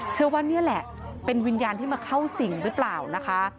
เชื่อว่านี่แหละเป็นวิญญาณที่มาเข้าสิ่งหรือเปล่านะคะ